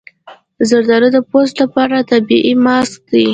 زردالو د پوست لپاره طبیعي ماسک دی.